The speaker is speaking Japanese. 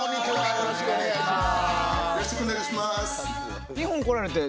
よろしくお願いします。